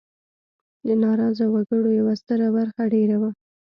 د ناراضه وګړو یوه ستره برخه دېره وه.